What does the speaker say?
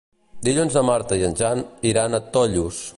Dilluns na Marta i en Jan iran a Tollos.